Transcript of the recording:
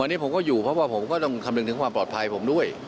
อันนี้ผมก็อยู่เพราะว่าผมก็ต้องคำนึงถึงความปลอดภัยผมด้วย